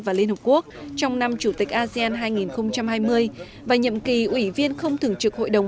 và liên hợp quốc trong năm chủ tịch asean hai nghìn hai mươi và nhiệm kỳ ủy viên không thường trực hội đồng